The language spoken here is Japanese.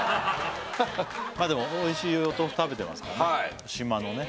まあでもおいしいお豆腐食べてますからね